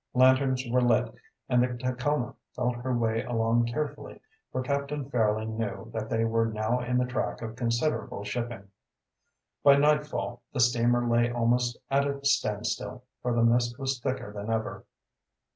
Lanterns were lit, and the Tacoma felt her way along carefully, for Captain Fairleigh knew that they were now in the track of considerable shipping. By nightfall the steamer lay almost at a stand still, for the mist was thicker than ever.